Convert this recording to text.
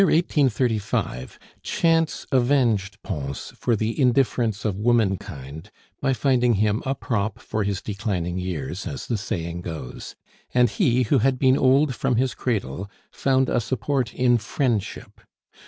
In the year 1835, chance avenged Pons for the indifference of womankind by finding him a prop for his declining years, as the saying goes; and he, who had been old from his cradle, found a support in friendship.